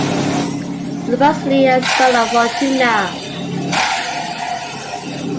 Supposedly a son of Fortuna.